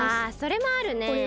あそれもあるね。